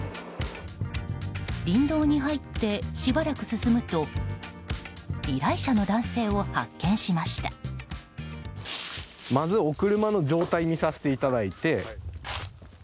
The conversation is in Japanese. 林道に入って、しばらく進むと依頼者の男性を発見しました。